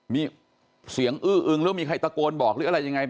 มีเสียงอื้ออึงหรือมีใครตะโกนบอกหรืออะไรยังไง